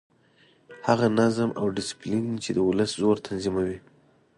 هغه نظم او ډسپلین چې د ولس زور تنظیموي.